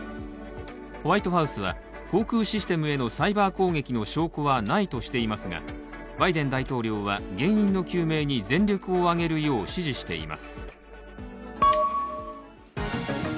ホワイトハウスは航空システムへのサイバー攻撃の証拠はないとしていますが、バイデン大統領は、原因の究明に全力を挙げるよう指示しています。